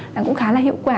là cũng khá là hiệu quả